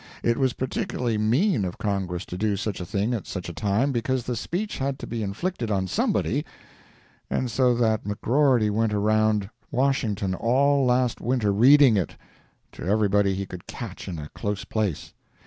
It was particularly mean of Congress to do such a thing at such a time, because the speech had to be inflicted on somebody, and so that McGrorty went around Washington all last winter reading it to everybody he could catch in a close place.